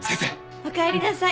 おかえりなさい。